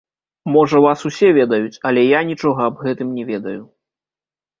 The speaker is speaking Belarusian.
Можа, вас усе ведаюць, але я нічога аб гэтым не ведаю.